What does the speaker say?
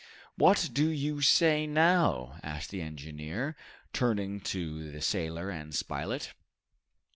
"What do you say now?" asked the engineer, turning to the sailor and Spilett.